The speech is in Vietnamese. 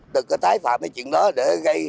đừng có tái phạm những chuyện đó để gây